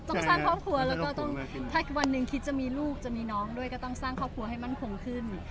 ต้องสร้างครอบครัวแล้วก็ต้องถ้าวันหนึ่งคิดจะมีลูกจะมีน้องด้วยก็ต้องสร้างครอบครัวให้มั่นคงขึ้น